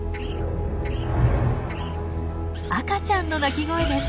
赤ちゃんの鳴き声です！